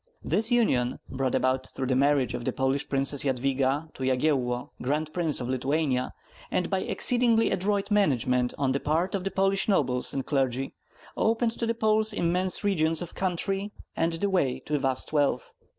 This union, brought about through the marriage of the Polish princess Yadviga to Yagyello, Grand Prince of Lithuania, and by exceedingly adroit management on the part of the Polish nobles and clergy, opened to the Poles immense regions of country and the way to vast wealth.